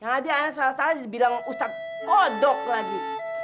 yang tadi anak salah salah dibilang ustadz kodok lagi